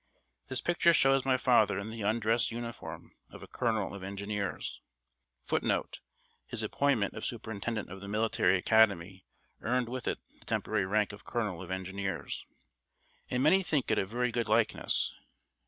This picture shows my father in the undress uniform of a Colonel of Engineers, [Footnote: His appointment of Superintendent of the Military Academy earned with it the temporary rank of Colonel of Engineers] and many think it a very good likeness.